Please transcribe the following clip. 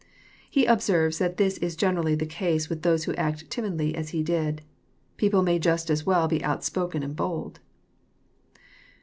He observes that this is generally the case with those who act timidly as he did. People may just as well be outspoken and bold.